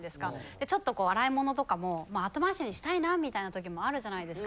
でちょっと洗い物とかも後回しにしたいなみたいな時もあるじゃないですか。